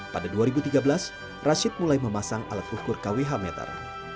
pada dua ribu tiga belas rashid mulai memasang alat ukur kwh meter